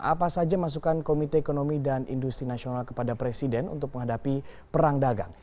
apa saja masukan komite ekonomi dan industri nasional kepada presiden untuk menghadapi perang dagang